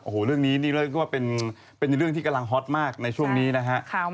โอ้โหเรื่องนี้ก็ว่าเป็นเรื่องที่กำลังฮอตมากในช่วงนี้นะครับ